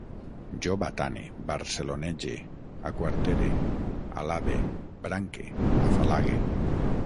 Jo batane, barcelonege, aquartere, alabe, branque, afalague